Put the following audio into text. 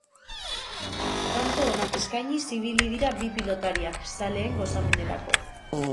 Tanto onak eskainiz ibili dira bi pilotariak, zaleen gozamenerako.